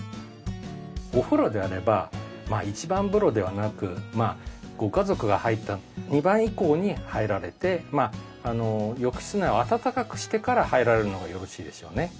お風呂であれば一番風呂ではなくご家族が入った二番以降に入られて浴室内を暖かくしてから入られるのがよろしいでしょうね。